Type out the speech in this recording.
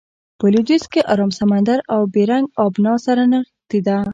په لویدیځ کې ارام سمندر او بیرنګ آبنا سره نښتې ده.